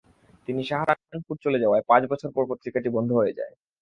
তিনি সাহারানপুর চলে যাওয়ায় পাঁচ বছর পর পত্রিকাটি বন্ধ হয়ে যায়।